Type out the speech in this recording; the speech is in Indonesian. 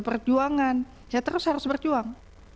perjuangan ya terus harus berjuang